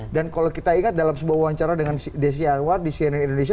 dan kalau kita ingat dalam sebuah wawancara dengan desi anwar di cnn indonesia